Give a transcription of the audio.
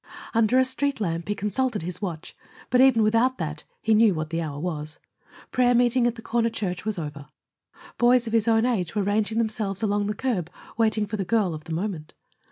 Under a street lamp he consulted his watch, but even without that he knew what the hour was. Prayer meeting at the corner church was over; boys of his own age were ranging themselves along the curb, waiting for the girl of the moment.